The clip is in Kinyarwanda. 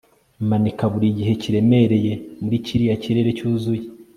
manika burigihe kiremereye muri kiriya kirere cyuzuye